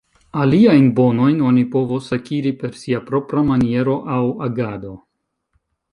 Aliajn bonojn oni povos akiri per sia propra maniero aŭ agado.